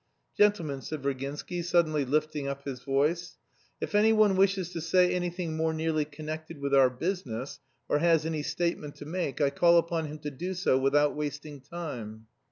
"Gentlemen," said Virginsky, suddenly lifting up his voice, "if anyone wishes to say anything more nearly connected with our business, or has any statement to make, I call upon him to do so without wasting time."